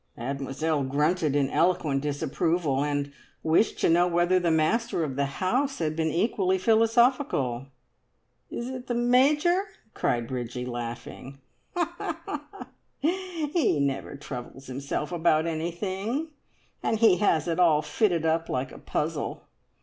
Mademoiselle grunted in eloquent disapproval, and wished to know whether the master of the house had been equally philosophical. "Is it the Major?" cried Bridgie, laughing. "He never troubles himself about anything, and he has it all fitted up like a puzzle.